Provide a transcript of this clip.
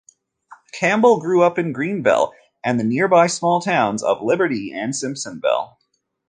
Campbell grew up in Greenville and the nearby small towns of Liberty and Simpsonville.